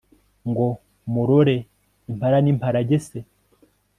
ngo murore impara n'impalage se